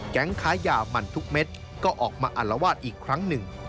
ค้ายามันทุกเม็ดก็ออกมาอัลวาดอีกครั้งหนึ่ง